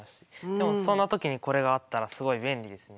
でもそんな時にこれがあったらすごい便利ですね。